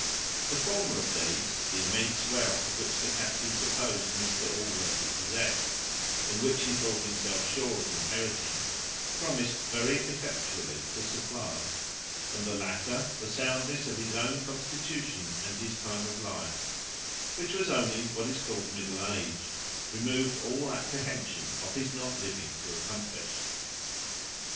The former of these, the immense wealth of which the captain supposed Mr Allworthy possessed, and which he thought himself sure of inheriting, promised very effectually to supply; and the latter, the soundness of his own constitution, and his time of life, which was only what is called middle age, removed all apprehension of his not living to accomplish.